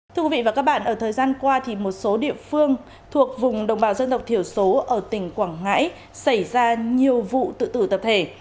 thưa quý vị và các bạn ở thời gian qua thì một số địa phương thuộc vùng đồng bào dân tộc thiểu số ở tỉnh quảng ngãi xảy ra nhiều vụ tự tử tập thể